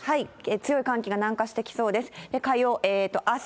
強い寒気が南下してきそうです。